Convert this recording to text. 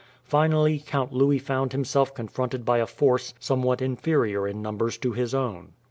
Finally, Count Louis found himself confronted by a force somewhat inferior in numbers to his own.